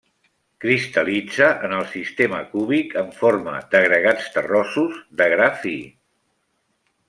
Cristal·litza en el sistema cúbic en forma d'agregats terrosos de gra fi.